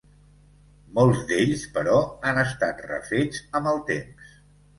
Molts d'ells, però, han estat refets amb el temps.